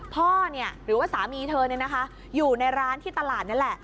พ่อเนี่ยหรือว่าสามีเธอเนี่ยนะคะอยู่ในร้านที่ตลาดนี่แหละ